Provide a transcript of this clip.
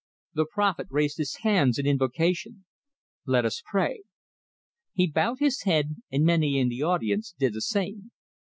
The prophet raised his hands in invocation: "Let us pray!" He bowed his head, and many in the audience did the same.